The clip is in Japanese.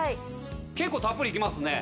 結構たっぷりいきますね。